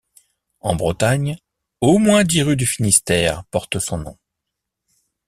En Bretagne, au moins dix rues du Finistère portent son nom.